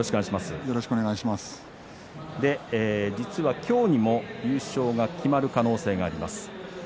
実は今日にも優勝が決まる可能性があります。